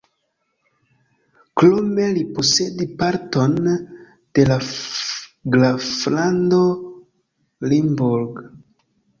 Krome li posedi parton de la graflando Limburg.